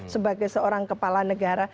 sebagai seorang kepala negara